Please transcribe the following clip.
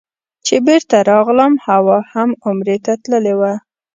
چې بېرته راغلم حوا هم عمرې ته تللې وه.